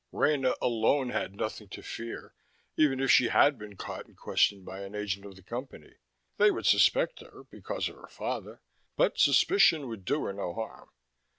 Rena alone had nothing to fear, even if she had been caught and questioned by an agent of the Company. They would suspect her, because of her father, but suspicion would do her no harm.